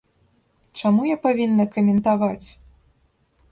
Чаму я павінна каментаваць?